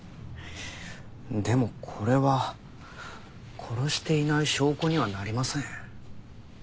でもこれは殺していない証拠にはなりません。